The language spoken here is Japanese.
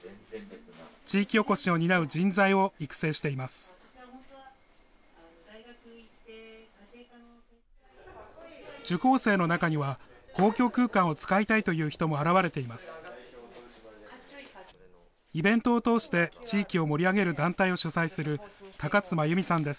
地域おこしを担う人材を育成しています。